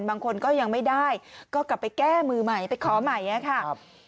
บางคนก็ยังไม่ได้ก็กลับไปแก้มือใหม่ไปขอใหม่ค่ะ